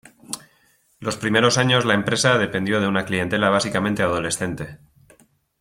Los primeros años la empresa dependió de una clientela básicamente adolescente.